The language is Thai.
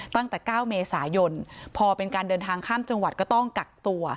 ตั้งแต่๙เมษายนพอเป็นการเดินทางข้ามจังหวัดก็ต้องกักตัว